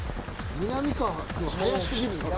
みなみかわ、速すぎる。